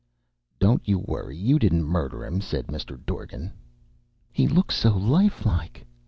"Don't you worry; you didn't murder him," said Mr. Dorgan. "He looks so lifelike!"